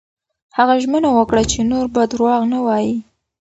هغه ژمنه وکړه چې نور به درواغ نه وايي.